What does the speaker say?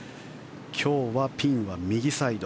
今日はピンは右サイド。